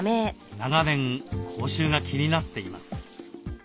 長年口臭が気になっています。